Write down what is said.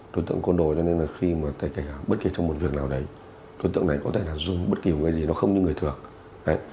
đối tượng côn đồi cho nên là khi mà cậy hàng bất kỳ trong một việc nào đấy đối tượng này có thể là dung bất kỳ một cái gì nó không như người thường